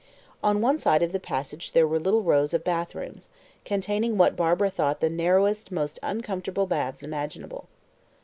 On one side of the passage there were rows of little bathrooms, containing what Barbara thought the narrowest most uncomfortable baths imaginable.